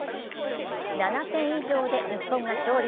７点以上で日本が勝利。